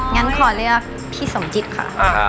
งั้นขอเลือกพี่สมจิตค่ะ